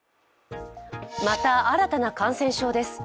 また新たな感染症です。